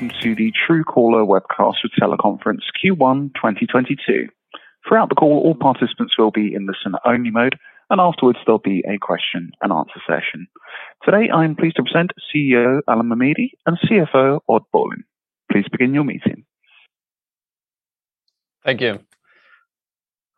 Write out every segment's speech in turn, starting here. Welcome to the Truecaller Webcast with Teleconference Q1 2022. Throughout the call, all participants will be in listen-only mode, and afterwards there'll be a question and answer session. Today, I am pleased to present CEO Alan Mamedi and CFO Odd Bolin. Please begin your meeting. Thank you.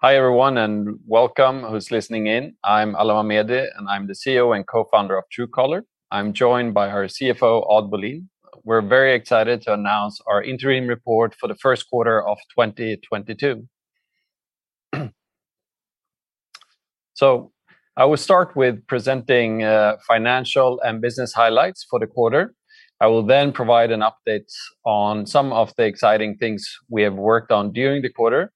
Hi, everyone, and welcome who's listening in. I'm Alan Mamedi, and I'm the CEO and Co-Founder of Truecaller. I'm joined by our CFO, Odd Bolin. We're very excited to announce our interim report for the first quarter of 2022. I will start with presenting financial and business highlights for the quarter. I will then provide an update on some of the exciting things we have worked on during the quarter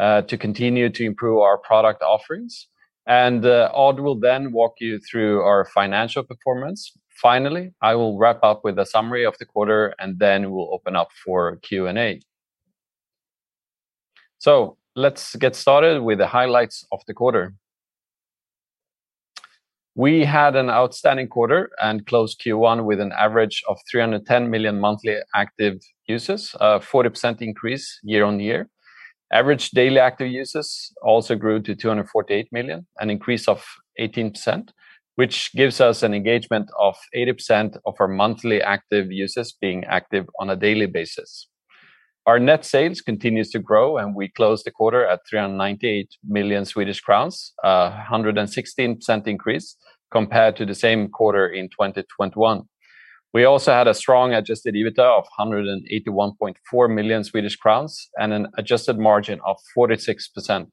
to continue to improve our product offerings. Odd will then walk you through our financial performance. Finally, I will wrap up with a summary of the quarter, and then we'll open up for Q&A. Let's get started with the highlights of the quarter. We had an outstanding quarter and closed Q1 with an average of 310 million monthly active users, a 40% increase year-over-year. Average daily active users also grew to 248 million, an increase of 18%, which gives us an engagement of 80% of our monthly active users being active on a daily basis. Our net sales continues to grow, and we closed the quarter at 398 million Swedish crowns, a 116% increase compared to the same quarter in 2021. We also had a strong adjusted EBITDA of 181.4 million Swedish crowns and an adjusted margin of 46%.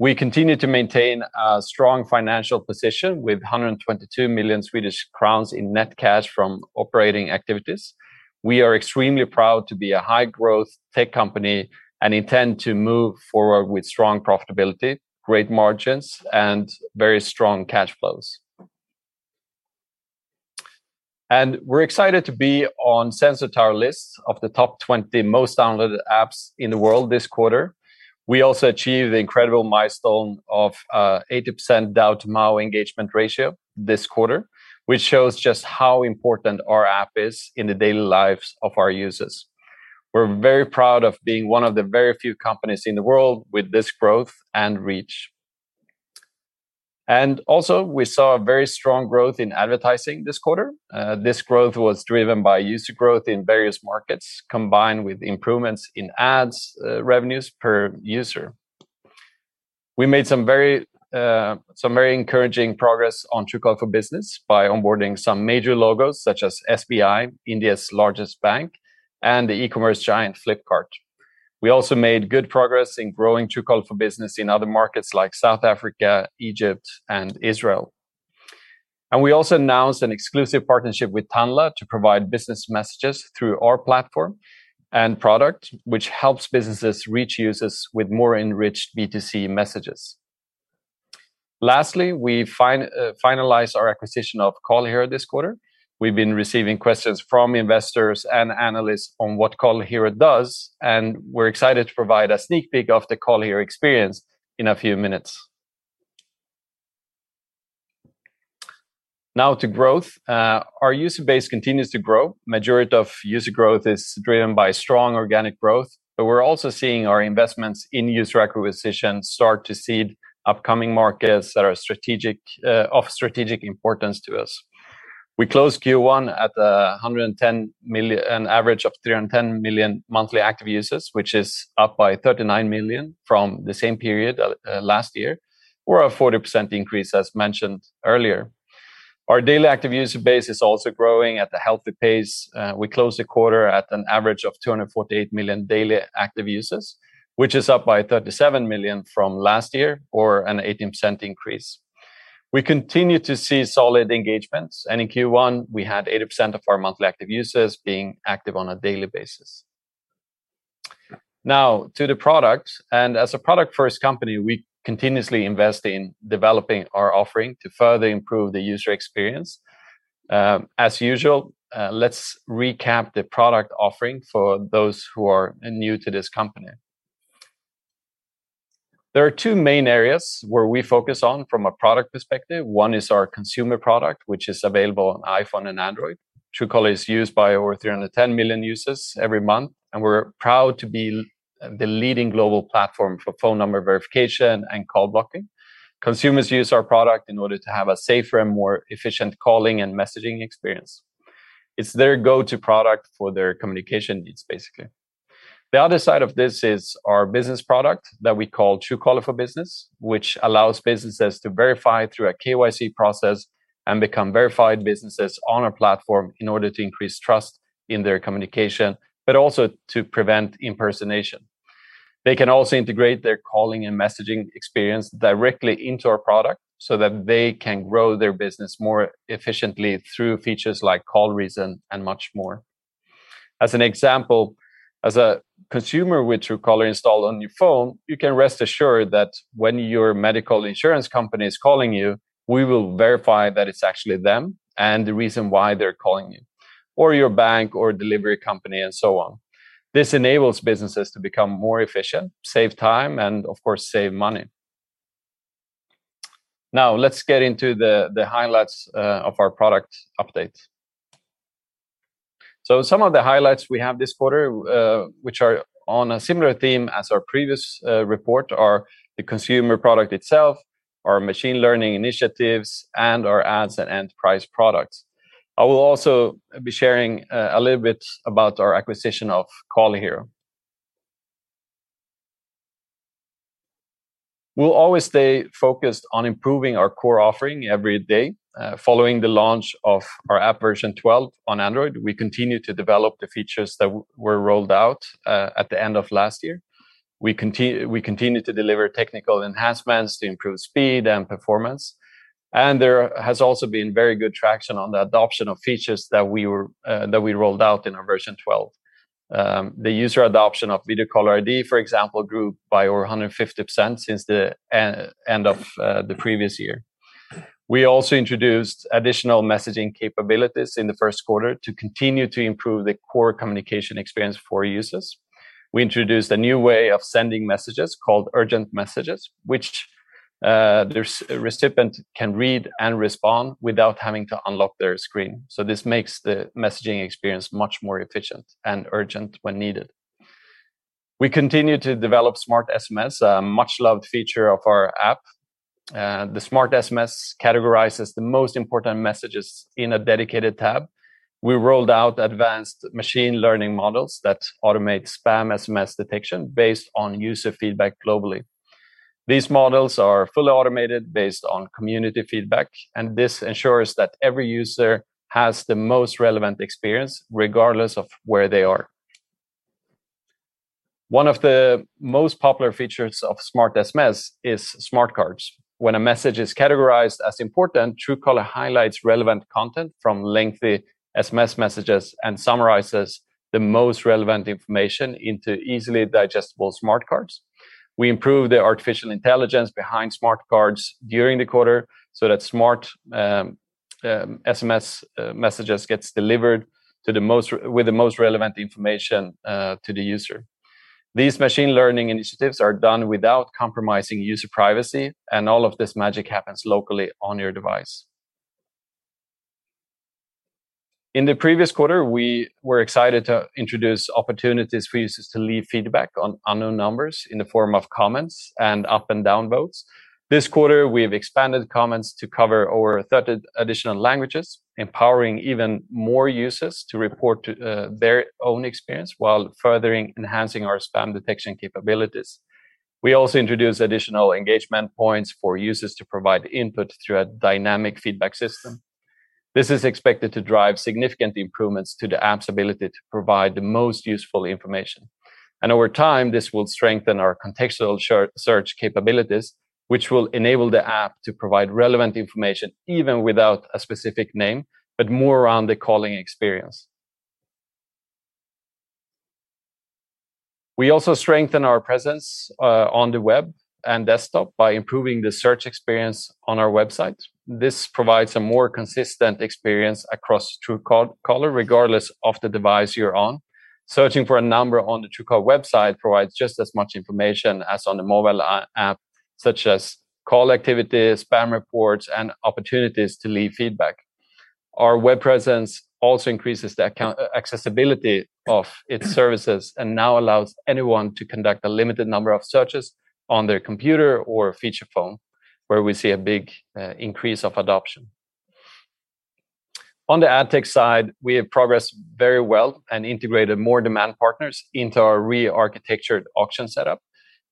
We continue to maintain a strong financial position with 122 million Swedish crowns in net cash from operating activities. We are extremely proud to be a high-growth tech company and intend to move forward with strong profitability, great margins, and very strong cash flows. We're excited to be on Sensor Tower list of the top 20 most downloaded apps in the world this quarter. We also achieved the incredible milestone of 80% DAU to MAU engagement ratio this quarter, which shows just how important our app is in the daily lives of our users. We're very proud of being one of the very few companies in the world with this growth and reach. We saw a very strong growth in advertising this quarter. This growth was driven by user growth in various markets, combined with improvements in ads revenues per user. We made some very encouraging progress on Truecaller for Business by onboarding some major logos such as SBI, India's largest bank, and the e-commerce giant Flipkart. We also made good progress in growing Truecaller for Business in other markets like South Africa, Egypt, and Israel. We also announced an exclusive partnership with Tanla to provide business messages through our platform and product, which helps businesses reach users with more enriched B2C messages. Lastly, we finalized our acquisition of CallHero this quarter. We've been receiving questions from investors and analysts on what CallHero does, and we're excited to provide a sneak peek of the CallHero experience in a few minutes. Now to growth. Our user base continues to grow. Majority of user growth is driven by strong organic growth, but we're also seeing our investments in user acquisition start to seed upcoming markets that are strategic, of strategic importance to us. We closed Q1 at 110 million, an average of 310 million monthly active users, which is up by 39 million from the same period last year, or a 40% increase as mentioned earlier. Our daily active user base is also growing at a healthy pace. We closed the quarter at an average of 248 million daily active users, which is up by 37 million from last year or an 18% increase. We continue to see solid engagements, and in Q1, we had 80% of our monthly active users being active on a daily basis. Now to the product. As a product-first company, we continuously invest in developing our offering to further improve the user experience. As usual, let's recap the product offering for those who are new to this company. There are two main areas where we focus on from a product perspective. One is our consumer product, which is available on iPhone and Android. Truecaller is used by over 310 million users every month, and we're proud to be the leading global platform for phone number verification and call blocking. Consumers use our product in order to have a safer and more efficient calling and messaging experience. It's their go-to product for their communication needs, basically. The other side of this is our business product that we call Truecaller for Business, which allows businesses to verify through a KYC process and become verified businesses on our platform in order to increase trust in their communication, but also to prevent impersonation. They can also integrate their calling and messaging experience directly into our product so that they can grow their business more efficiently through features like Call Reason and much more. As an example, as a consumer with Truecaller installed on your phone, you can rest assured that when your medical insurance company is calling you, we will verify that it's actually them and the reason why they're calling you, or your bank or delivery company and so on. This enables businesses to become more efficient, save time, and of course, save money. Let's get into the highlights of our product updates. Some of the highlights we have this quarter, which are on a similar theme as our previous report are the consumer product itself, our machine learning initiatives, and our ads and enterprise products. I will also be sharing a little bit about our acquisition of CallHero. We'll always stay focused on improving our core offering every day. Following the launch of our app version 12 on Android, we continue to develop the features that were rolled out at the end of last year. We continue to deliver technical enhancements to improve speed and performance, and there has also been very good traction on the adoption of features that we rolled out in our version 12. The user adoption of Video Caller ID, for example, grew by over 150% since the end of the previous year. We also introduced additional messaging capabilities in the first quarter to continue to improve the core communication experience for users. We introduced a new way of sending messages called Urgent Messages, which the recipient can read and respond without having to unlock their screen. This makes the messaging experience much more efficient and urgent when needed. We continue to develop Smart SMS, a much-loved feature of our app. The Smart SMS categorizes the most important messages in a dedicated tab. We rolled out advanced machine learning models that automate spam SMS detection based on user feedback globally. These models are fully automated based on community feedback, and this ensures that every user has the most relevant experience regardless of where they are. One of the most popular features of Smart SMS is Smart Cards. When a message is categorized as important, Truecaller highlights relevant content from lengthy SMS messages and summarizes the most relevant information into easily digestible Smart Cards. We improved the artificial intelligence behind Smart Cards during the quarter so that Smart SMS messages gets delivered to the most with the most relevant information to the user. These machine learning initiatives are done without compromising user privacy, and all of this magic happens locally on your device. In the previous quarter, we were excited to introduce opportunities for users to leave feedback on unknown numbers in the form of comments and up and down votes. This quarter, we have expanded comments to cover over 30 additional languages, empowering even more users to report their own experience while further enhancing our spam detection capabilities. We also introduced additional engagement points for users to provide input through a dynamic feedback system. This is expected to drive significant improvements to the app's ability to provide the most useful information. Over time, this will strengthen our contextual search capabilities, which will enable the app to provide relevant information even without a specific name, but more around the calling experience. We also strengthened our presence on the web and desktop by improving the search experience on our website. This provides a more consistent experience across Truecaller, regardless of the device you're on. Searching for a number on the Truecaller website provides just as much information as on the mobile app, such as call activity, spam reports, and opportunities to leave feedback. Our web presence also increases the accessibility of its services and now allows anyone to conduct a limited number of searches on their computer or feature phone, where we see a big increase of adoption. On the AdTech side, we have progressed very well and integrated more demand partners into our re-architectured auction setup.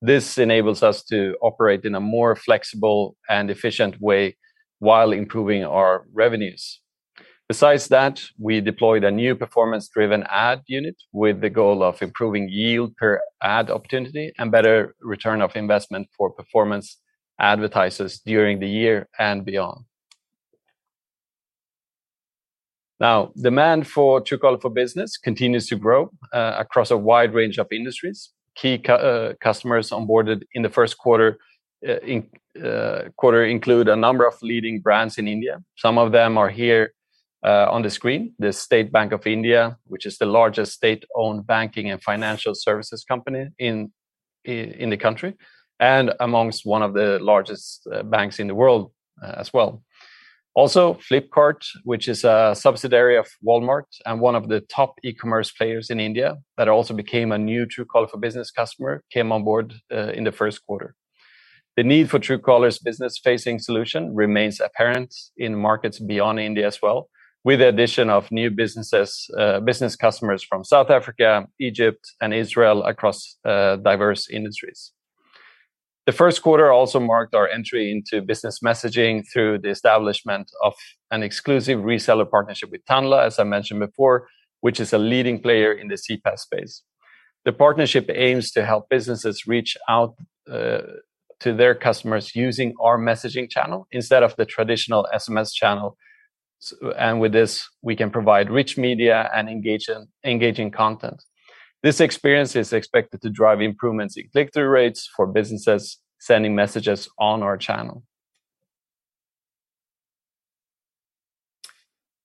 This enables us to operate in a more flexible and efficient way while improving our revenues. Besides that, we deployed a new performance-driven ad unit with the goal of improving yield per ad opportunity and better return on investment for performance advertisers during the year and beyond. Now, demand for Truecaller for Business continues to grow across a wide range of industries. Key customers onboarded in the first quarter include a number of leading brands in India. Some of them are here on the screen. The State Bank of India, which is the largest state-owned banking and financial services company in the country, and amongst one of the largest banks in the world as well. Also, Flipkart, which is a subsidiary of Walmart and one of the top e-commerce players in India that also became a new Truecaller for Business customer, came on board in the first quarter. The need for Truecaller's business-facing solution remains apparent in markets beyond India as well, with the addition of new businesses, business customers from South Africa, Egypt, and Israel across diverse industries. The first quarter also marked our entry into business messaging through the establishment of an exclusive reseller partnership with Tanla, as I mentioned before, which is a leading player in the CPaaS space. The partnership aims to help businesses reach out to their customers using our messaging channel instead of the traditional SMS channel. With this, we can provide rich media and engage in engaging content. This experience is expected to drive improvements in click-through rates for businesses sending messages on our channel.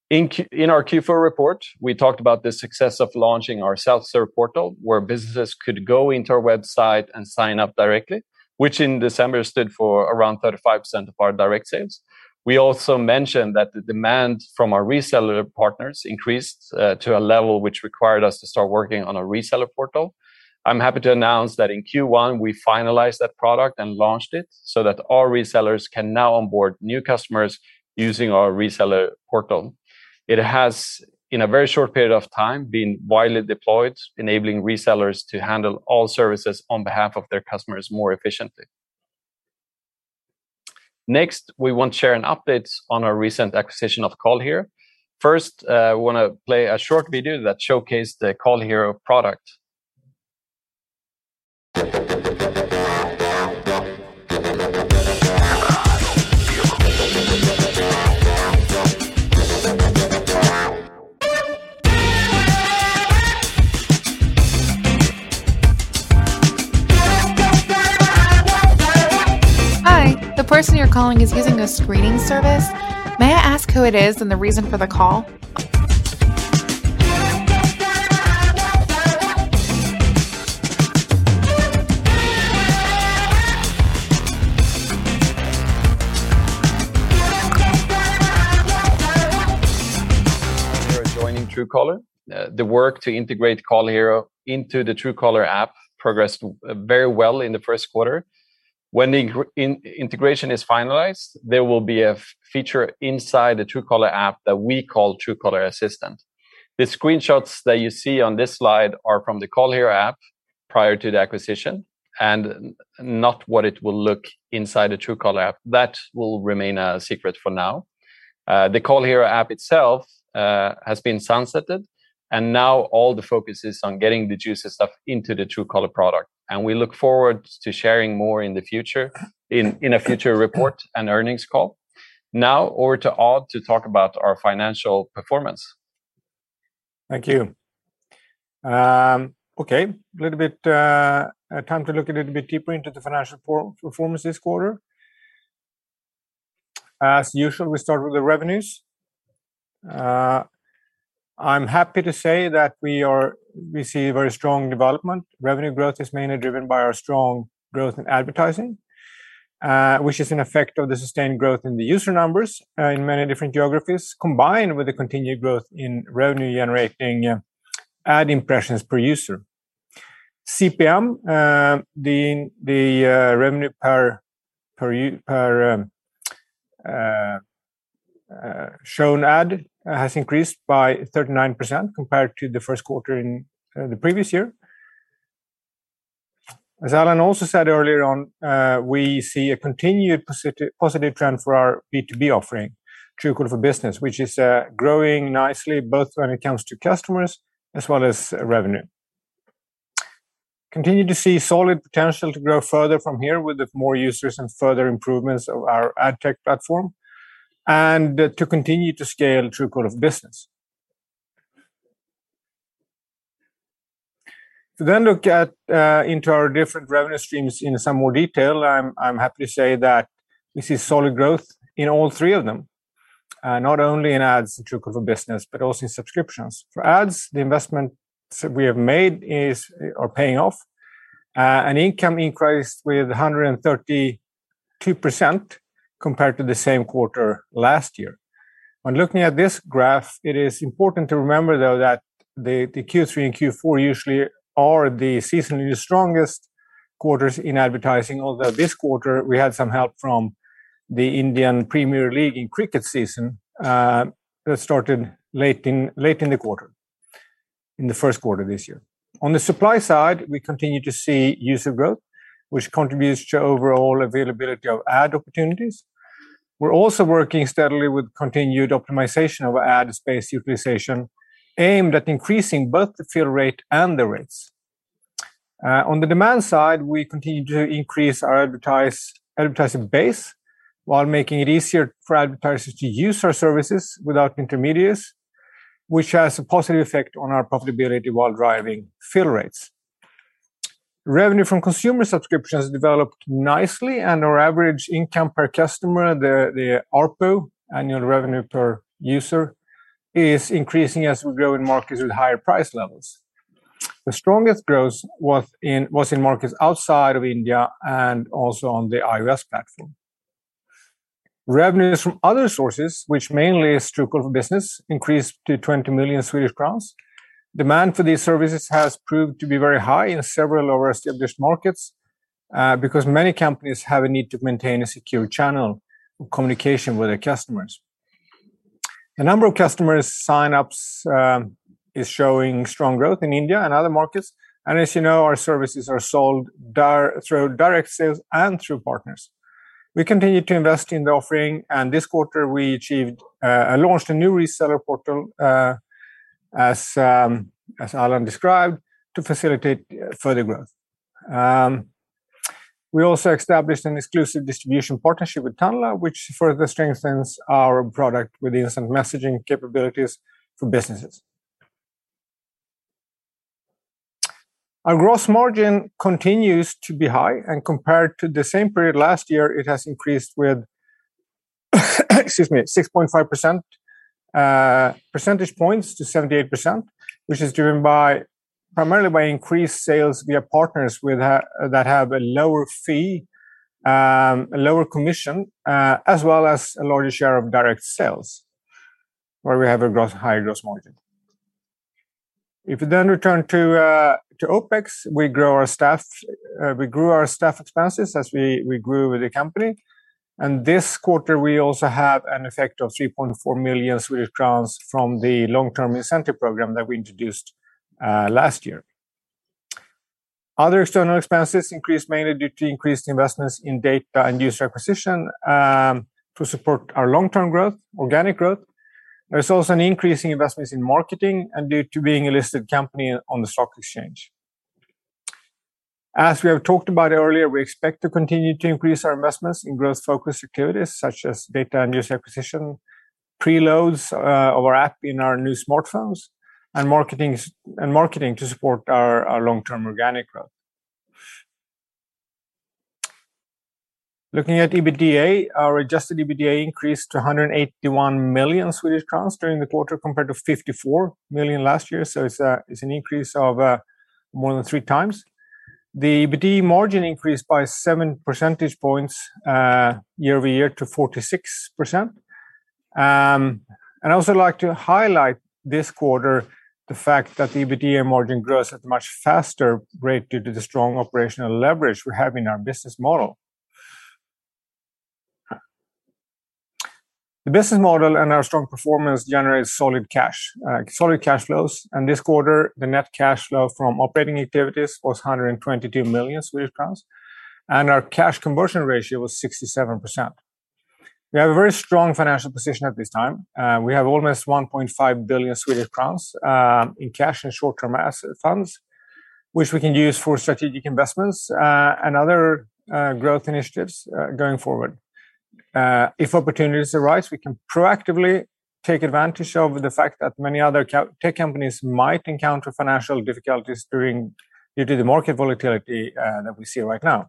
In our Q4 report, we talked about the success of launching our self-serve portal, where businesses could go into our website and sign up directly, which in December stood for around 35% of our direct sales. We also mentioned that the demand from our reseller partners increased to a level which required us to start working on a reseller portal. I'm happy to announce that in Q1, we finalized that product and launched it so that all resellers can now onboard new customers using our reseller portal. It has, in a very short period of time, been widely deployed, enabling resellers to handle all services on behalf of their customers more efficiently. Next, we want to share an update on our recent acquisition of CallHero. First, we want to play a short video that showcases the CallHero product. Hi. The person you're calling is using a screening service. May I ask who it is and the reason for the call? For joining Truecaller. The work to integrate CallHero into the Truecaller app progressed very well in the first quarter. When the integration is finalized, there will be a feature inside the Truecaller app that we call Truecaller Assistant. The screenshots that you see on this slide are from the CallHero app prior to the acquisition, and not what it will look like inside the Truecaller app. That will remain a secret for now. The CallHero app itself has been sunsetted, and now all the focus is on getting the juiciest stuff into the Truecaller product. We look forward to sharing more in the future, in a future report and earnings call. Now, over to Odd to talk about our financial performance. Thank you. Okay, a little bit time to look a little bit deeper into the financial performance this quarter. As usual, we start with the revenues. I'm happy to say that we see a very strong development. Revenue growth is mainly driven by our strong growth in advertising, which is an effect of the sustained growth in the user numbers, in many different geographies, combined with the continued growth in revenue generating ad impressions per user. CPM, the revenue per shown ad has increased by 39% compared to the first quarter in the previous year. As Alan also said earlier on, we see a continued positive trend for our B2B offering, Truecaller for Business, which is growing nicely both when it comes to customers as well as revenue. Continue to see solid potential to grow further from here with the more users and further improvements of our ad tech platform and to continue to scale Truecaller business. To look into our different revenue streams in some more detail, I'm happy to say that we see solid growth in all three of them, not only in ads and Truecaller business, but also in subscriptions. For ads, the investments we have made are paying off. Income increased with 132% compared to the same quarter last year. When looking at this graph, it is important to remember, though, that the Q3 and Q4 usually are the seasonally strongest quarters in advertising, although this quarter we had some help from the Indian Premier League in cricket season, that started late in the quarter, in the first quarter of this year. On the supply side, we continue to see user growth, which contributes to overall availability of ad opportunities. We're also working steadily with continued optimization of ad space utilization, aimed at increasing both the fill rate and the rates. On the demand side, we continue to increase our advertising base while making it easier for advertisers to use our services without intermediaries, which has a positive effect on our profitability while driving fill rates. Revenue from consumer subscriptions developed nicely, and our average income per customer, the ARPU, annual revenue per user, is increasing as we grow in markets with higher price levels. The strongest growth was in markets outside of India and also on the iOS platform. Revenues from other sources, which mainly is Truecaller business, increased to 20 million Swedish crowns. Demand for these services has proved to be very high in several of our established markets, because many companies have a need to maintain a secure channel of communication with their customers. The number of customers sign-ups is showing strong growth in India and other markets, and as you know, our services are sold through direct sales and through partners. We continue to invest in the offering, and this quarter we launched a new reseller portal, as Alan described, to facilitate further growth. We also established an exclusive distribution partnership with Tanla, which further strengthens our product with instant messaging capabilities for businesses. Our gross margin continues to be high, and compared to the same period last year, it has increased with 6.5 percentage points to 78%, which is driven primarily by increased sales via partners that have a lower fee, a lower commission, as well as a larger share of direct sales where we have a higher gross margin. If you then return to OPEX, we grow our staff. We grew our staff expenses as we grew with the company. This quarter, we also have an effect of 3.4 million Swedish crowns from the long-term incentive program that we introduced last year. Other external expenses increased mainly due to increased investments in data and user acquisition to support our long-term growth, organic growth. There's also an increase in investments in marketing and due to being a listed company on the stock exchange. As we have talked about earlier, we expect to continue to increase our investments in growth-focused activities such as data and user acquisition, preloads of our app in our new smartphones, and marketing to support our long-term organic growth. Looking at EBITDA, our adjusted EBITDA increased to 181 million Swedish crowns during the quarter compared to 54 million last year. It's an increase of more than three times. The EBITDA margin increased by 7 percentage points year-over-year to 46%. I'd also like to highlight this quarter the fact that the EBITDA margin grows at a much faster rate due to the strong operational leverage we have in our business model. The business model and our strong performance generates solid cash flows. This quarter, the net cash flow from operating activities was 122 million Swedish crowns, and our cash conversion ratio was 67%. We have a very strong financial position at this time. We have almost 1.5 billion Swedish crowns in cash and short-term asset funds, which we can use for strategic investments and other growth initiatives going forward. If opportunities arise, we can proactively take advantage of the fact that many other tech companies might encounter financial difficulties due to the market volatility that we see right now.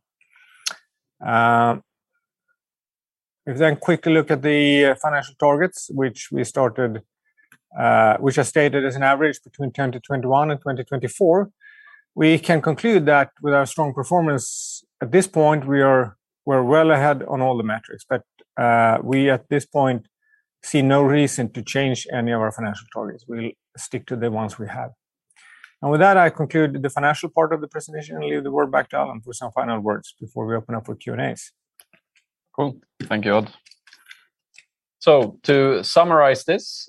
If we then quickly look at the financial targets, which are stated as an average between 2021 and 2024, we can conclude that with our strong performance at this point, we're well ahead on all the metrics. We at this point see no reason to change any of our financial targets. We'll stick to the ones we have. With that, I conclude the financial part of the presentation and leave the word back to Alan for some final words before we open up for Q&As. Cool. Thank you, Odd. To summarize this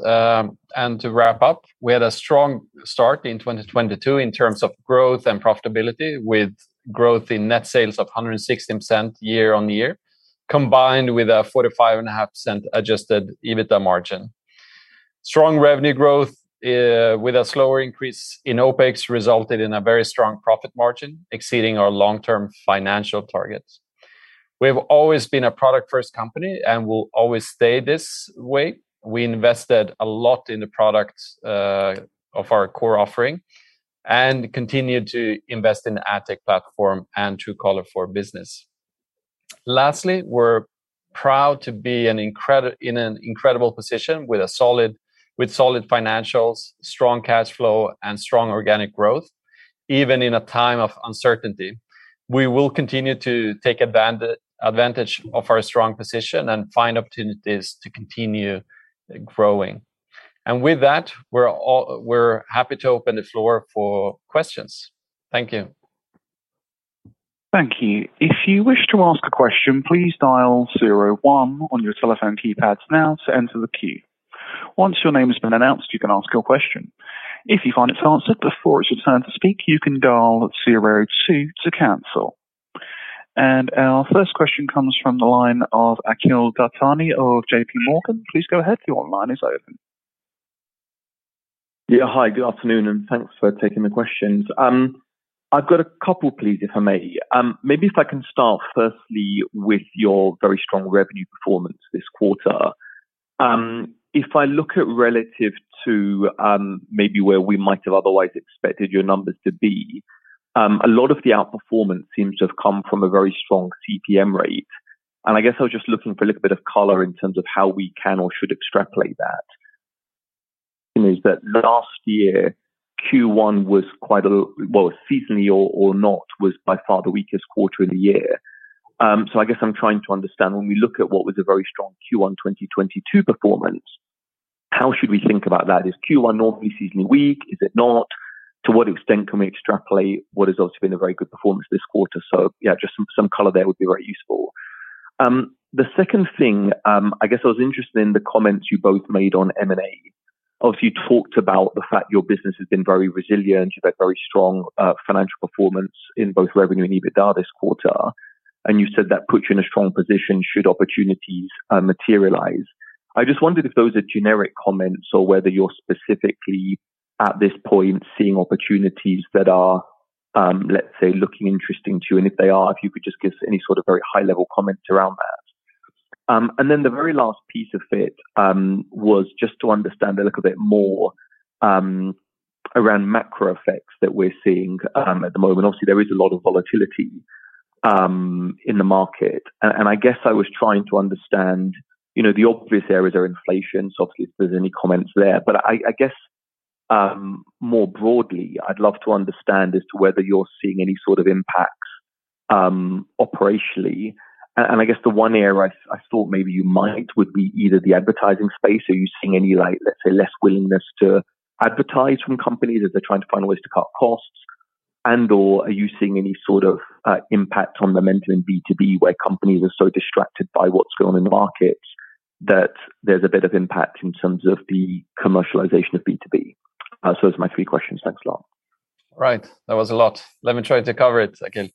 and to wrap up, we had a strong start in 2022 in terms of growth and profitability with growth in net sales of 116% year-on-year, combined with a 45.5% adjusted EBITDA margin. Strong revenue growth with a slower increase in OPEX resulted in a very strong profit margin exceeding our long-term financial targets. We have always been a product-first company, and we'll always stay this way. We invested a lot in the products of our core offering and continued to invest in the AdTech platform and Truecaller for Business. Lastly, we're proud to be in an incredible position with solid financials, strong cash flow, and strong organic growth, even in a time of uncertainty. We will continue to take advantage of our strong position and find opportunities to continue growing. With that, we're happy to open the floor for questions. Thank you. Thank you. If you wish to ask a question, please dial zero one on your telephone keypads now to enter the queue. Once your name has been announced, you can ask your question. If you find it's answered before it's your turn to speak, you can dial zero two to cancel. Our first question comes from the line of Akhil Dattani of J.P. Morgan. Please go ahead. Your line is open. Yeah. Hi, good afternoon, and thanks for taking the questions. I've got a couple, please, if I may. Maybe if I can start firstly with your very strong revenue performance this quarter. If I look at relative to, maybe where we might have otherwise expected your numbers to be, a lot of the outperformance seems to have come from a very strong CPM rate. I guess I was just looking for a little bit of color in terms of how we can or should extrapolate that. You know, is that last year Q1 was, seasonally or not, by far the weakest quarter in the year. I guess I'm trying to understand when we look at what was a very strong Q1 2022 performance, how should we think about that? Is Q1 normally seasonally weak? Is it not? To what extent can we extrapolate what has also been a very good performance this quarter? Yeah, just some color there would be very useful. The second thing, I guess I was interested in the comments you both made on M&A. Obviously, you talked about the fact your business has been very resilient. You've had very strong financial performance in both revenue and EBITDA this quarter. You said that puts you in a strong position should opportunities materialize. I just wondered if those are generic comments or whether you're specifically at this point seeing opportunities that are, let's say, looking interesting to you. If they are, if you could just give any sort of very high-level comments around that. Then the very last piece of it was just to understand a little bit more around macro effects that we're seeing at the moment. Obviously, there is a lot of volatility in the market. I guess I was trying to understand, you know, the obvious areas are inflation, so obviously if there's any comments there. But I guess, more broadly, I'd love to understand as to whether you're seeing any sort of impacts operationally. I guess the one area I thought maybe you might would be either the advertising space. Are you seeing any, like, let's say, less willingness to advertise from companies as they're trying to find ways to cut costs? Are you seeing any sort of impact on the momentum in B2B, where companies are so distracted by what's going on in the market that there's a bit of impact in terms of the commercialization of B2B? Those are my three questions. Thanks a lot. Right. That was a lot. Let me try to cover it again.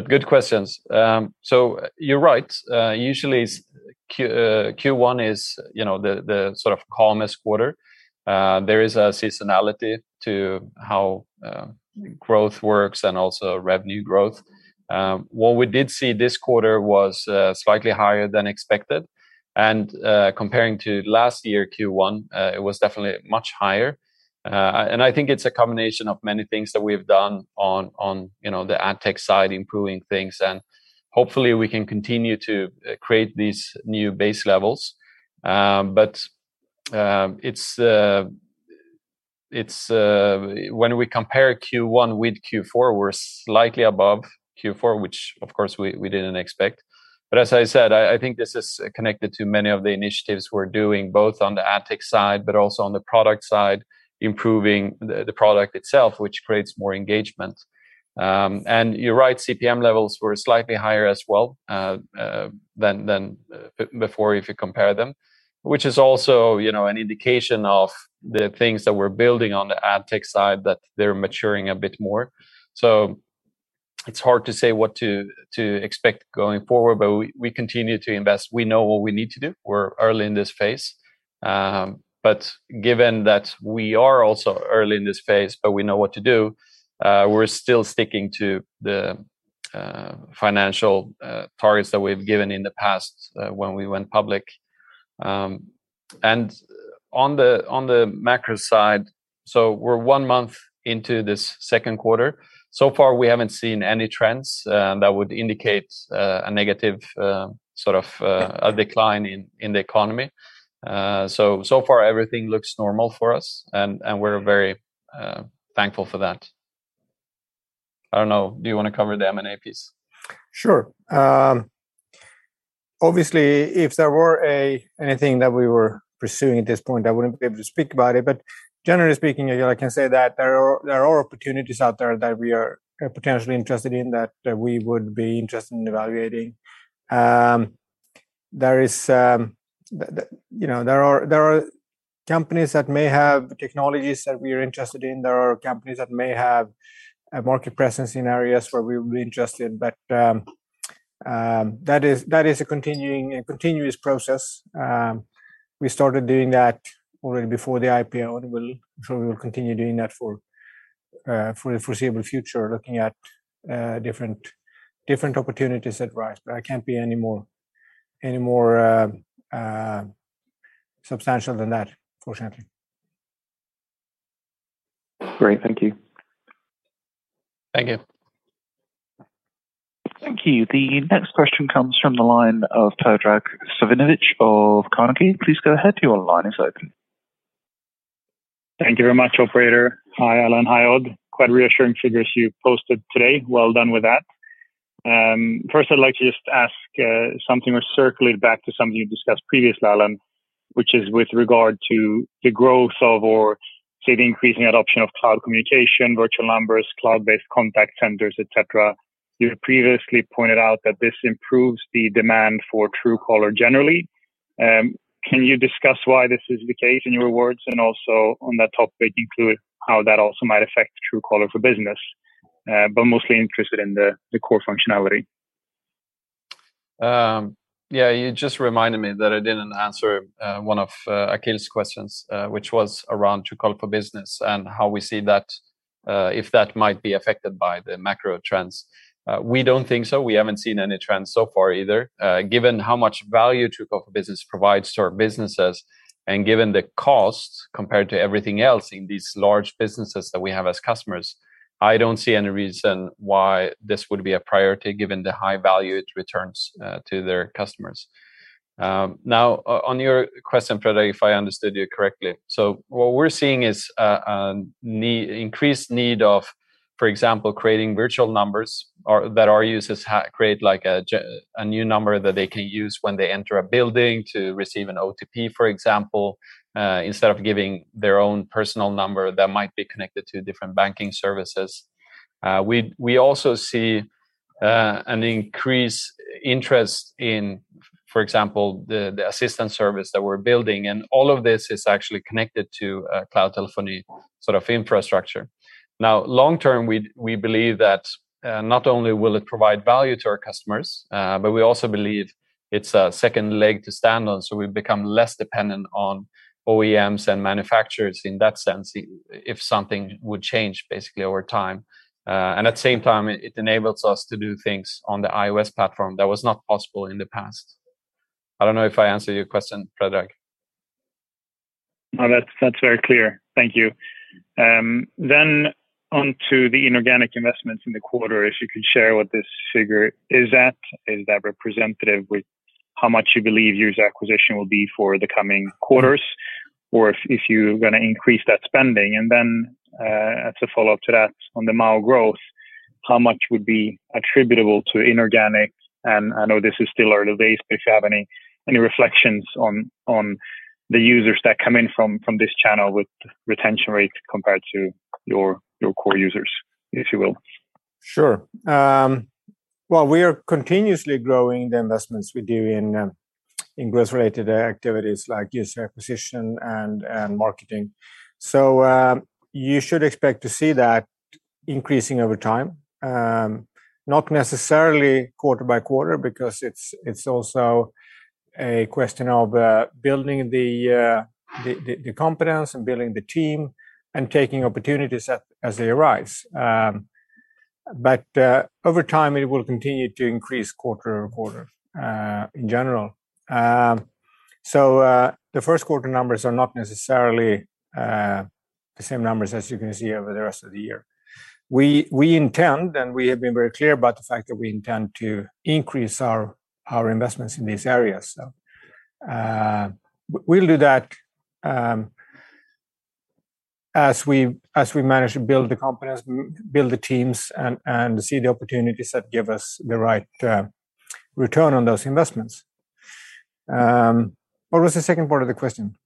Good questions. You're right, usually Q1 is, you know, the sort of calmest quarter. There is a seasonality to how growth works and also revenue growth. What we did see this quarter was slightly higher than expected, and comparing to last year Q1, it was definitely much higher. I think it's a combination of many things that we've done on, you know, the AdTech side, improving things, and hopefully we can continue to create these new base levels. But it's when we compare Q1 with Q4, we're slightly above Q4, which of course we didn't expect. As I said, I think this is connected to many of the initiatives we're doing, both on the ad tech side, but also on the product side, improving the product itself, which creates more engagement. You're right, CPM levels were slightly higher as well, than before if you compare them, which is also, you know, an indication of the things that we're building on the ad tech side, that they're maturing a bit more. It's hard to say what to expect going forward, but we continue to invest. We know what we need to do. We're early in this phase. Given that we are also early in this phase, we know what to do, we're still sticking to the financial targets that we've given in the past, when we went public. On the macro side, we're one month into this second quarter. So far, we haven't seen any trends that would indicate a negative sort of a decline in the economy. So far everything looks normal for us and we're very thankful for that. I don't know, do you wanna cover the M&A piece? Sure. Obviously, if there were anything that we were pursuing at this point, I wouldn't be able to speak about it. Generally speaking, I can say that there are opportunities out there that we are potentially interested in, that we would be interested in evaluating. There is, you know, there are companies that may have technologies that we are interested in. There are companies that may have a market presence in areas where we would be interested in. That is a continuous process. We started doing that already before the IPO, and I'm sure we will continue doing that for the foreseeable future, looking at different opportunities that arise, but I can't be any more substantial than that, unfortunately. Great. Thank you. Thank you. Thank you. The next question comes from the line of Predrag Savinovic of Carnegie. Please go ahead. Your line is open. Thank you very much, operator. Hi, Alan. Hi, Odd. Quite reassuring figures you posted today. Well done with that. First I'd like to just ask something or circulate back to something you discussed previously, Alan, which is with regard to the growth of or, say, the increasing adoption of cloud communication, virtual numbers, cloud-based contact centers, et cetera. You previously pointed out that this improves the demand for Truecaller generally. Can you discuss why this is the case in your words, and also on that topic include how that also might affect Truecaller for Business? But mostly interested in the core functionality. Yeah, you just reminded me that I didn't answer one of Akhil's questions, which was around Truecaller for Business and how we see that, if that might be affected by the macro trends. We don't think so. We haven't seen any trends so far either. Given how much value Truecaller for Business provides to our businesses and given the cost compared to everything else in these large businesses that we have as customers, I don't see any reason why this would be a priority given the high value it returns to their customers. Now on your question, Predrag, if I understood you correctly. What we're seeing is an increased need of, for example, creating virtual numbers or that our users create like a new number that they can use when they enter a building to receive an OTP, for example, instead of giving their own personal number that might be connected to different banking services. We also see an increased interest in, for example, the assistant service that we're building, and all of this is actually connected to a cloud telephony sort of infrastructure. Now long term, we believe that not only will it provide value to our customers, but we also believe it's a second leg to stand on, so we become less dependent on OEMs and manufacturers in that sense if something would change basically over time. At the same time, it enables us to do things on the iOS platform that was not possible in the past. I don't know if I answered your question, Predrag. No, that's very clear. Thank you. Then on to the inorganic investments in the quarter. If you could share what this figure is at. Is that representative with how much you believe user acquisition will be for the coming quarters or if you're gonna increase that spending? And then, as a follow-up to that, on the MAU growth, how much would be attributable to inorganic? And I know this is still early days, but if you have any reflections on the users that come in from this channel with retention rates compared to your core users, if you will. Sure. Well, we are continuously growing the investments we do in growth-related activities like user acquisition and marketing. You should expect to see that increasing over time. Not necessarily quarter by quarter because it's also a question of building the competence and building the team and taking opportunities as they arise. Over time, it will continue to increase quarter-over-quarter in general. The first quarter numbers are not necessarily the same numbers as you're gonna see over the rest of the year. We intend, and we have been very clear about the fact that we intend to increase our investments in these areas. We'll do that, as we manage to build the competence, build the teams and see the opportunities that give us the right return on those investments. What was the second part of the question?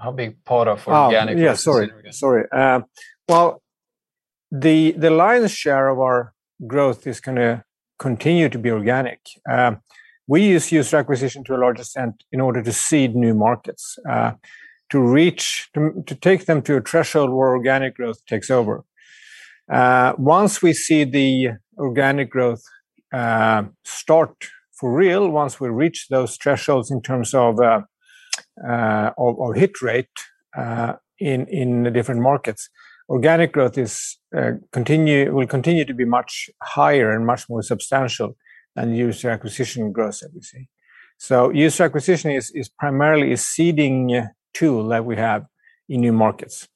How big part of organic? Oh. Yeah, sorry. Well, the lion's share of our growth is gonna continue to be organic. We use user acquisition to a large extent in order to seed new markets, to take them to a threshold where organic growth takes over. Once we see the organic growth start for real, once we reach those thresholds in terms of or hit rate in the different markets, organic growth will continue to be much higher and much more substantial than user acquisition growth that we see. User acquisition is primarily a seeding tool that we have in new markets.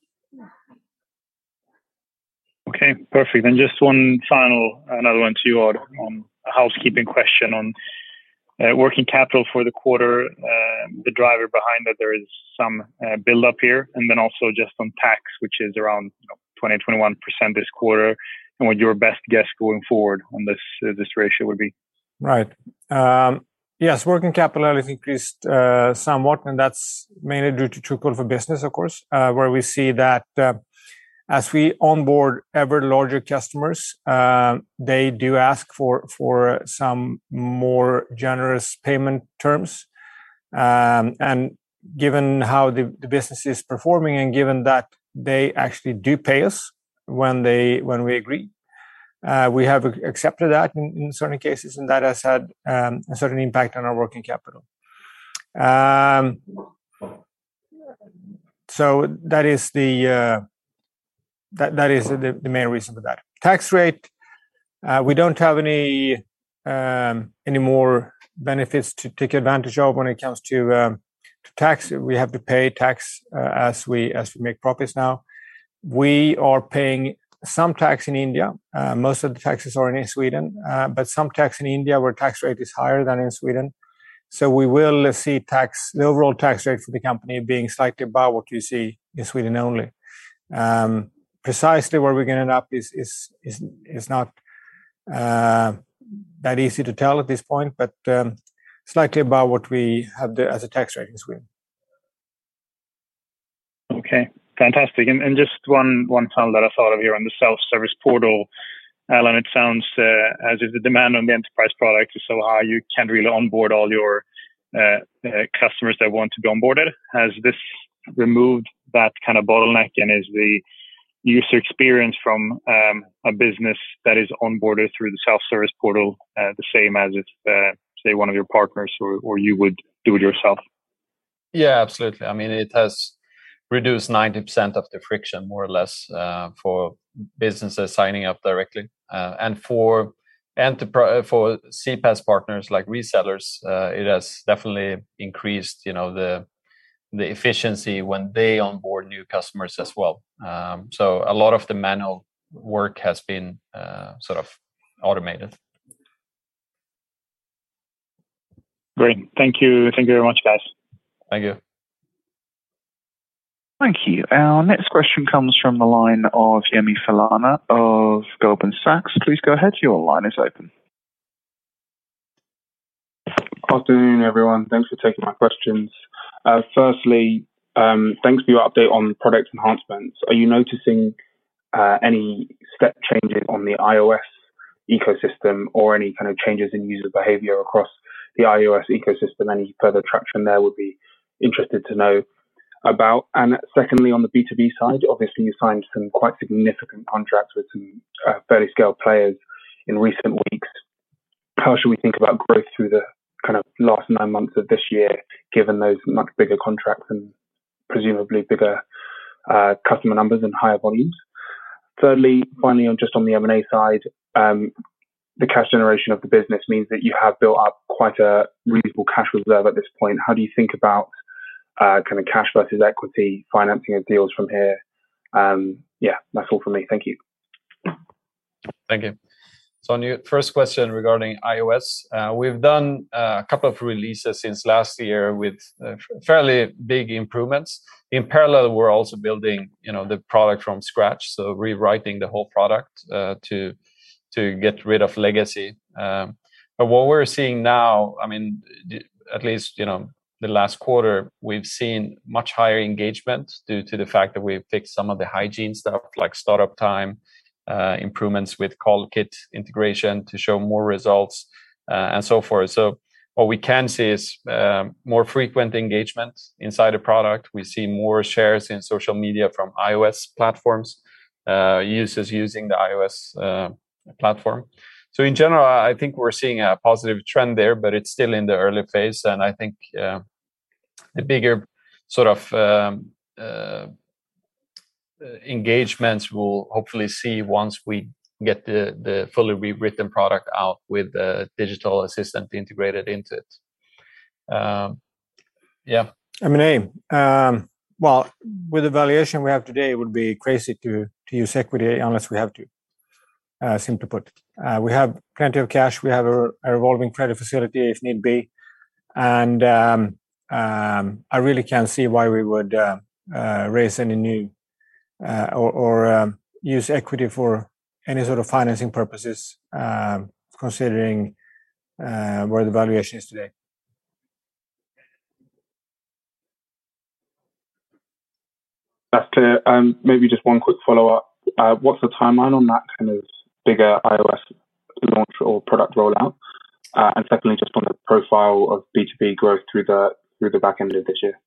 Okay, perfect. Just one final, another one to you, Odd, on a housekeeping question on working capital for the quarter. The driver behind that there is some buildup here. Then also just on tax, which is around, you know, 21% this quarter, and what your best guess going forward on this ratio would be. Right. Yes, working capital has increased somewhat, and that's mainly due to Truecaller for Business, of course, where we see that as we onboard ever larger customers, they do ask for some more generous payment terms. Given how the business is performing and given that they actually do pay us when we agree, we have accepted that in certain cases, and that has had a certain impact on our working capital. That is the main reason for that. Tax rate, we don't have any more benefits to take advantage of when it comes to tax. We have to pay tax as we make profits now. We are paying some tax in India. Most of the taxes are in Sweden, but some tax in India, where tax rate is higher than in Sweden. We will see tax, the overall tax rate for the company being slightly above what you see in Sweden only. Precisely where we're gonna end up is not that easy to tell at this point, but slightly above what we have as a tax rate in Sweden. Okay, fantastic. Just one final that I thought of here on the self-service portal. Alan, it sounds as if the demand on the enterprise product is so high you can't really onboard all your customers that want to be onboarded. Has this removed that kind of bottleneck? Is the user experience from a business that is onboarded through the self-service portal the same as if, say, one of your partners or you would do it yourself? Yeah, absolutely. I mean, it has reduced 90% of the friction more or less for businesses signing up directly. For CPaaS partners like resellers, it has definitely increased, you know, the efficiency when they onboard new customers as well. A lot of the manual work has been sort of automated. Great. Thank you. Thank you very much, guys. Thank you. Thank you. Our next question comes from the line of Yemi Falana of Goldman Sachs. Please go ahead. Your line is open. Afternoon, everyone. Thanks for taking my questions. Firstly, thanks for your update on product enhancements. Are you noticing any step changes on the iOS ecosystem or any kind of changes in user behavior across the iOS ecosystem? Any further traction there we'll be interested to know about. Secondly, on the B2B side, obviously you signed some quite significant contracts with some fairly scaled players in recent weeks. How should we think about growth through the kind of last nine months of this year, given those much bigger contracts and presumably bigger customer numbers and higher volumes? Thirdly, finally, on the M&A side, the cash generation of the business means that you have built up quite a reasonable cash reserve at this point. How do you think about kind of cash versus equity financing of deals from here? Yeah, that's all from me. Thank you. Thank you. On your first question regarding iOS, we've done a couple of releases since last year with fairly big improvements. In parallel, we're also building, you know, the product from scratch, so rewriting the whole product to get rid of legacy. What we're seeing now, I mean, at least, you know, the last quarter, we've seen much higher engagement due to the fact that we've fixed some of the hygiene stuff like startup time, improvements with CallKit integration to show more results, and so forth. What we can see is more frequent engagement inside a product. We see more shares in social media from iOS platforms, users using the iOS platform. In general, I think we're seeing a positive trend there, but it's still in the early phase, and I think the bigger sort of engagements we'll hopefully see once we get the fully rewritten product out with the digital assistant integrated into it. M&A. Well, with the valuation we have today, it would be crazy to use equity unless we have to, simply put. We have plenty of cash. We have a revolving credit facility if need be. I really can't see why we would raise any new or use equity for any sort of financing purposes, considering where the valuation is today. That's clear. Maybe just one quick follow-up. What's the timeline on that kind of bigger iOS launch or product rollout? Secondly, just on the profile of B2B growth through the back end of this year.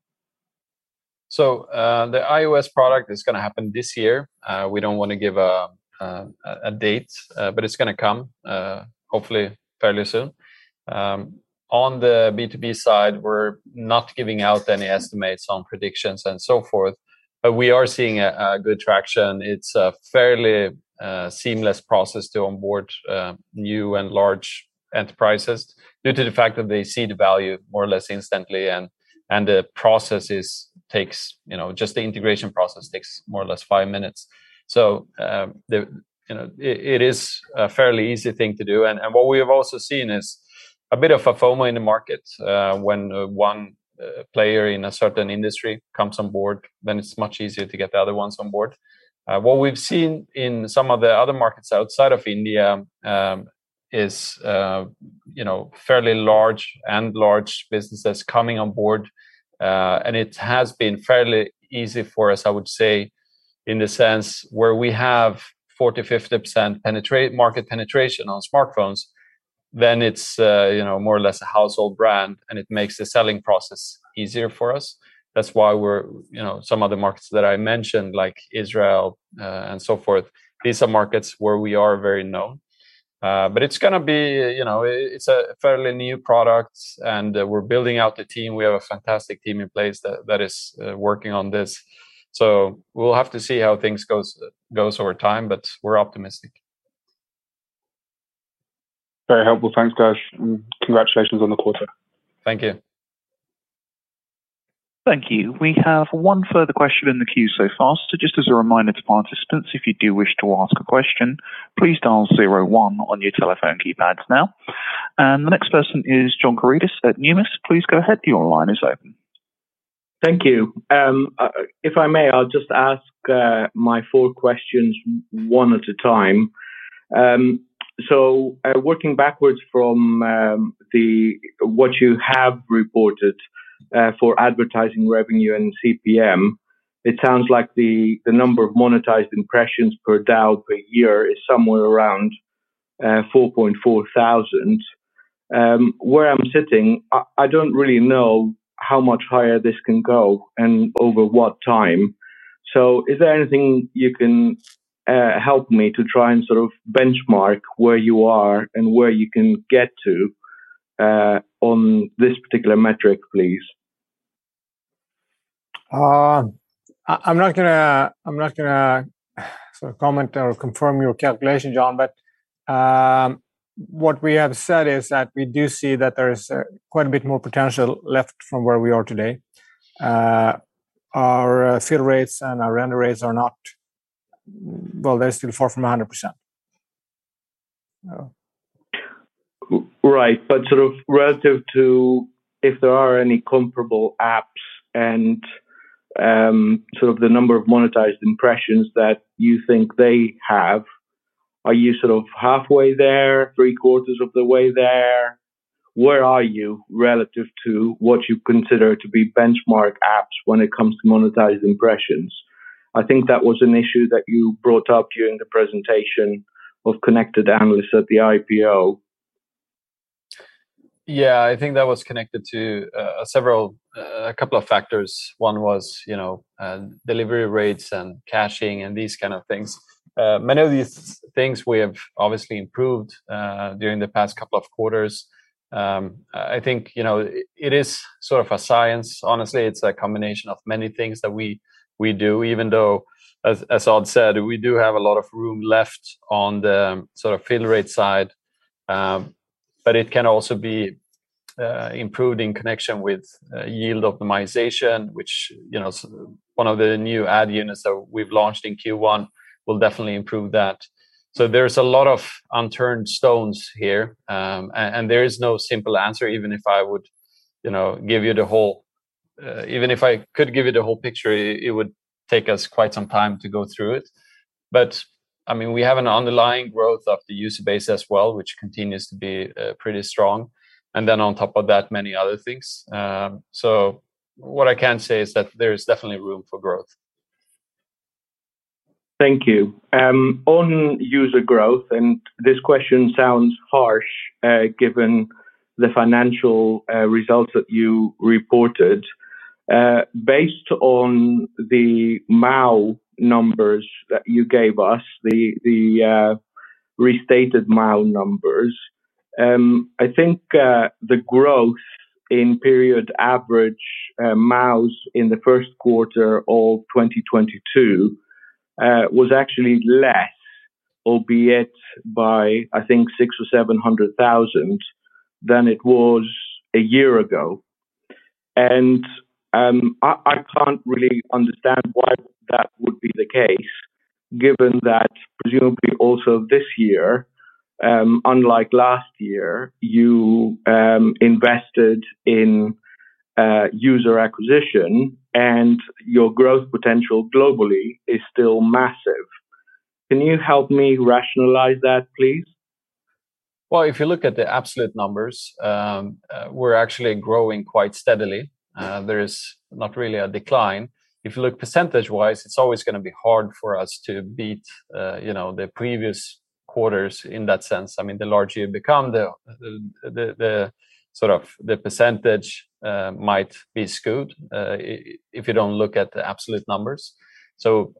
The iOS product is gonna happen this year. We don't wanna give a date, but it's gonna come hopefully fairly soon. On the B2B side, we're not giving out any estimates on predictions and so forth, but we are seeing a good traction. It's a fairly seamless process to onboard new and large enterprises due to the fact that they see the value more or less instantly and the process takes you know just the integration process takes more or less five minutes. You know it is a fairly easy thing to do. What we have also seen is a bit of a FOMO in the market when one player in a certain industry comes on board then it's much easier to get the other ones on board. What we've seen in some of the other markets outside of India is you know fairly large and large businesses coming on board. It has been fairly easy for us I would say in the sense where we have 40%-50% market penetration on smartphones then it's you know more or less a household brand and it makes the selling process easier for us. That's why we're you know some of the markets that I mentioned like Israel and so forth these are markets where we are very known. It's gonna be you know it's a fairly new product and we're building out the team. We have a fantastic team in place that is working on this. We'll have to see how things goes over time but we're optimistic. Very helpful. Thanks, guys, and congratulations on the quarter. Thank you. Thank you. We have one further question in the queue so far. Just as a reminder to participants, if you do wish to ask a question, please dial zero one on your telephone keypads now. The next person is John Karidis at Numis. Please go ahead, your line is open. Thank you. If I may, I'll just ask my four questions one at a time. Working backwards from what you have reported for advertising revenue and CPM, it sounds like the number of monetized impressions per DAU per year is somewhere around 4.4 thousand. Where I'm sitting, I don't really know how much higher this can go and over what time. Is there anything you can help me to try and sort of benchmark where you are and where you can get to on this particular metric, please? I'm not gonna sort of comment or confirm your calculation, John, but what we have said is that we do see that there is quite a bit more potential left from where we are today. Our fill rates and our render rates are not well, they're still far from 100%. Yeah. Right. Sort of relative to if there are any comparable apps and, sort of the number of monetized impressions that you think they have, are you sort of halfway there, three-quarters of the way there? Where are you relative to what you consider to be benchmark apps when it comes to monetized impressions? I think that was an issue that you brought up during the presentation of connected analysts at the IPO. Yeah. I think that was connected to several, a couple of factors. One was, you know, delivery rates and caching and these kind of things. Many of these things we have obviously improved during the past couple of quarters. I think, you know, it is sort of a science. Honestly, it's a combination of many things that we do, even though, as Odd said, we do have a lot of room left on the sort of fill rate side. It can also be improved in connection with yield optimization, which, you know, one of the new ad units that we've launched in Q1 will definitely improve that. There's a lot of unturned stones here, and there is no simple answer, even if I would, you know, give you the whole. Even if I could give you the whole picture, it would take us quite some time to go through it. I mean, we have an underlying growth of the user base as well, which continues to be pretty strong, and then on top of that, many other things. What I can say is that there is definitely room for growth. Thank you. On user growth, this question sounds harsh, given the financial results that you reported. Based on the MAU numbers that you gave us, the restated MAU numbers, I think, the growth in period average MAUs in the first quarter of 2022 was actually less, albeit by, I think, 600,000 or 700,000 than it was a year ago. I can't really understand why that would be the case, given that presumably also this year, unlike last year, you invested in user acquisition, and your growth potential globally is still massive. Can you help me rationalize that, please? Well, if you look at the absolute numbers, we're actually growing quite steadily. There is not really a decline. If you look percentage-wise, it's always gonna be hard for us to beat, you know, the previous quarters in that sense. I mean, the larger you become, the percentage might be skewed, if you don't look at the absolute numbers.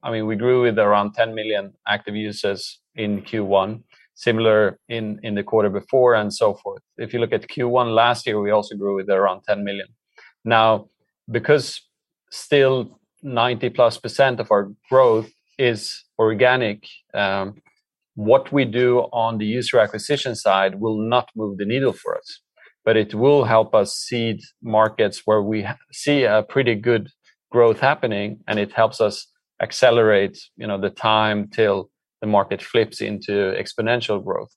I mean, we grew with around 10 million active users in Q1, similar in the quarter before and so forth. If you look at Q1 last year, we also grew with around 10 million. Now, because still 90%+ of our growth is organic, what we do on the user acquisition side will not move the needle for us. It will help us seed markets where we see a pretty good growth happening, and it helps us accelerate, you know, the time till the market flips into exponential growth.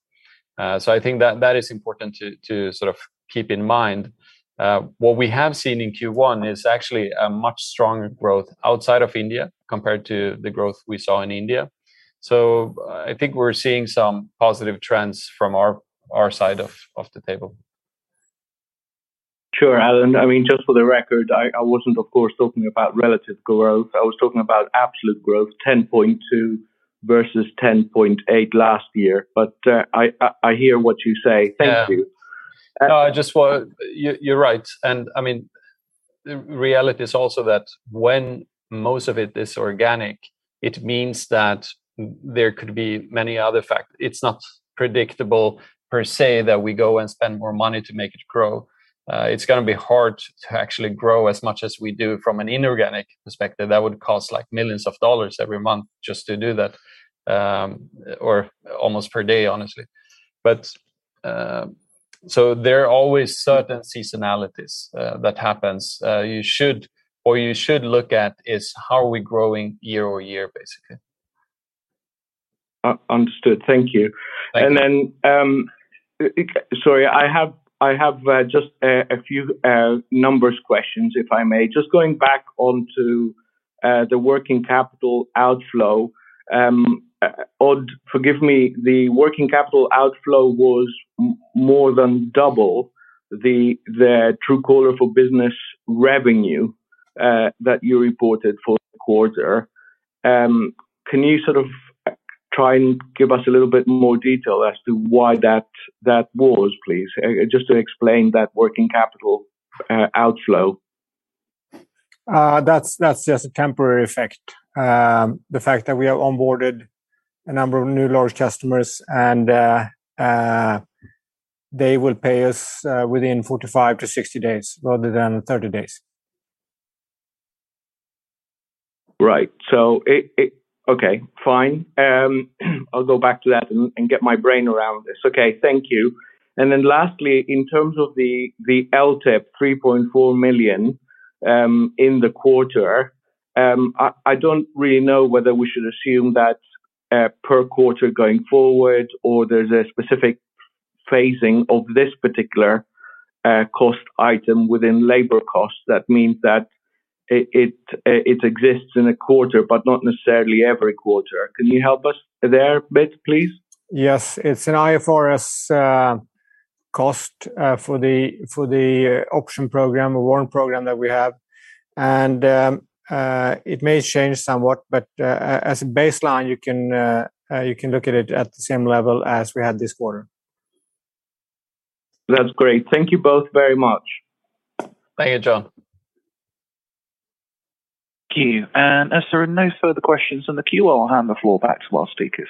I think that is important to sort of keep in mind. What we have seen in Q1 is actually a much stronger growth outside of India compared to the growth we saw in India. I think we're seeing some positive trends from our side of the table. Sure. I mean, just for the record, I wasn't of course talking about relative growth. I was talking about absolute growth, 10.2% versus 10.8% last year. I hear what you say. Yeah. Thank you. No, you're right. I mean, the reality is also that when most of it is organic, it means that there could be many other factor. It's not predictable per se, that we go and spend more money to make it grow. It's gonna be hard to actually grow as much as we do from an inorganic perspective. That would cost like millions of dollars every month just to do that, or almost per day, honestly. There are always certain seasonalities that happens. What you should look at is how are we growing year-over-year, basically. Understood. Thank you. Thank you. Sorry, I have just a few numbers questions, if I may. Just going back onto the working capital outflow. Odd, forgive me, the working capital outflow was more than double the Truecaller for Business revenue that you reported for the quarter. Can you sort of try and give us a little bit more detail as to why that was, please? Just to explain that working capital outflow. That's just a temporary effect. The fact that we have onboarded a number of new large customers and they will pay us within 45-60 days rather than 30 days. Right. Okay, fine. I'll go back to that and get my brain around this. Okay. Thank you. Lastly, in terms of the LTIP 3.4 million in the quarter, I don't really know whether we should assume that per quarter going forward or there's a specific phasing of this particular cost item within labor costs. That means that it exists in a quarter, but not necessarily every quarter. Can you help us there a bit, please? Yes. It's an IFRS cost for the option program, a warrant program that we have. It may change somewhat, but as a baseline, you can look at it at the same level as we had this quarter. That's great. Thank you both very much. Thank you, John. Thank you. As there are no further questions in the queue, I'll hand the floor back to our speakers.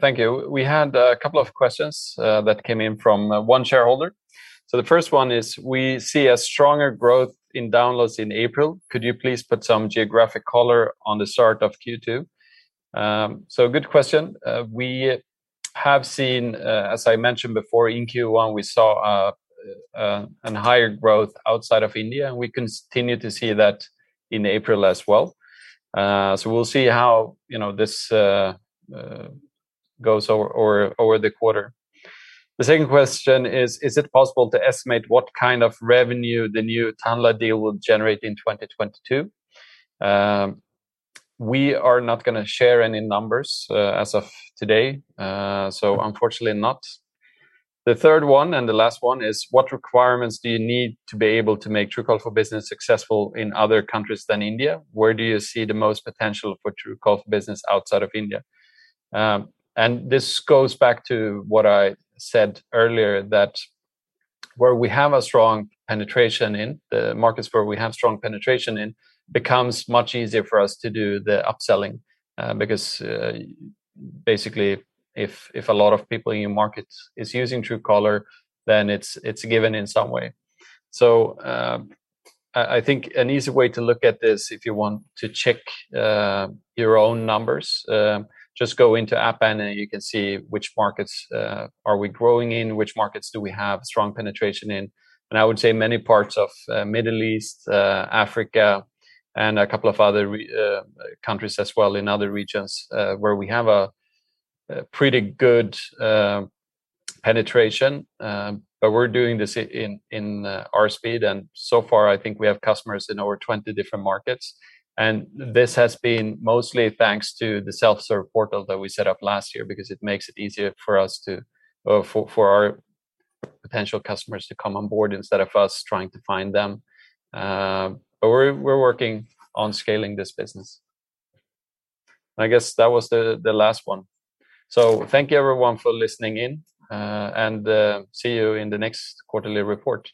Thank you. We had a couple of questions that came in from one shareholder. The first one is, we see a stronger growth in downloads in April. Could you please put some geographic color on the start of Q2? Good question. We have seen, as I mentioned before, in Q1 we saw a higher growth outside of India, and we continue to see that in April as well. We'll see how, you know, this goes over the quarter. The second question is, "Is it possible to estimate what kind of revenue the new Tanla deal will generate in 2022?" We are not gonna share any numbers as of today, unfortunately not. The third one and the last one is, "What requirements do you need to be able to make Truecaller for Business successful in other countries than India? Where do you see the most potential for Truecaller for Business outside of India?" This goes back to what I said earlier that where we have a strong penetration in the markets where we have strong penetration in becomes much easier for us to do the upselling, because basically if a lot of people in your market is using Truecaller, then it's a given in some way. I think an easy way to look at this if you want to check your own numbers, just go into App Annie. You can see which markets are we growing in, which markets do we have strong penetration in. I would say many parts of Middle East, Africa, and a couple of other countries as well in other regions, where we have a pretty good penetration. We're doing this in our speed, and so far I think we have customers in over 20 different markets. This has been mostly thanks to the self-serve portal that we set up last year because it makes it easier for our potential customers to come on board instead of us trying to find them. We're working on scaling this business. I guess that was the last one. Thank you everyone for listening in, and see you in the next quarterly report.